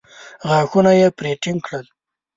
غاښونه يې پرې ټينګ کړل.